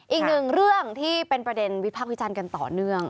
อีกหนึ่งเรื่องที่เป็นประเด็นวิพากษ์วิจารณ์กันต่อเนื่อง